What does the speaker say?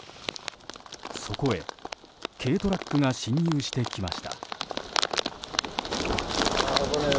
そこへ軽トラックが進入してきました。